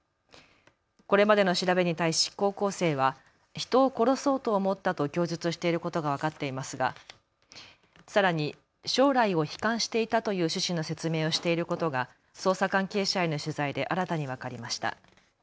これまでの調べに対し高校生は人を殺そうと思ったと供述していることが分かっていますがさらに将来を悲観していたという趣旨の説明をしていることが捜査関係者への取材で新たに分かりました。